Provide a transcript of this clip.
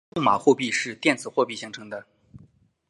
数码货币是电子货币形式的。